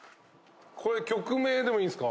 これ曲名でもいいんすか？